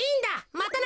またな。